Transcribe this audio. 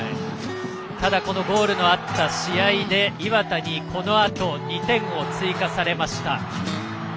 ただこのゴールのあった試合で磐田にこのあと２点を追加されました。